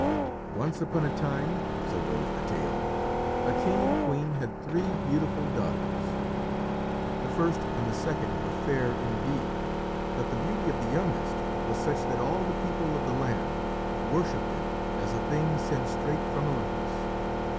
Once upon a time, so goes the tale, a king and queen had three beautiful daughters. The first and the second were fair indeed, but the beauty of the youngest was such that all the people of the land worshipped it as a thing sent straight from Olympus.